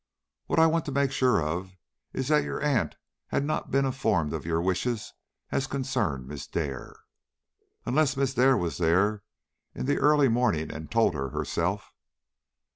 "What I want to make sure of is that your aunt had not been informed of your wishes as concerned Miss Dare." "Unless Miss Dare was there in the early morning and told her herself."